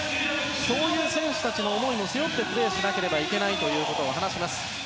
そういう選手たちの思いも背負ってプレーしなければいけないと話していました。